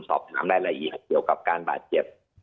สอบถามรายละเอียดเกี่ยวกับการบาดเจ็บ